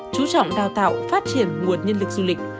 chú trọng đào tạo phát triển nguồn nhân lực du lịch